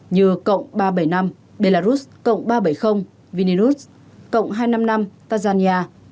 như cộng ba trăm bảy mươi năm belarus cộng ba trăm bảy mươi vinius cộng hai trăm năm mươi năm tanzania